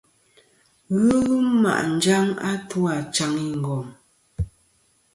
Ghɨ lum ma' njaŋ a tu achaŋ i ngom.